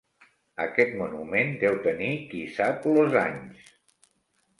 Aquest monument deu tenir qui-sap-los anys.